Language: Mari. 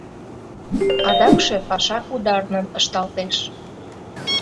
Адакше паша ударнын ышталтеш.